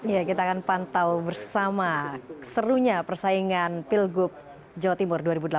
ya kita akan pantau bersama serunya persaingan pilgub jawa timur dua ribu delapan belas